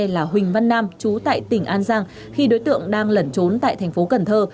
là huỳnh văn nam chú tại tỉnh an giang khi đối tượng đang lẩn trốn tại thành phố cần thơ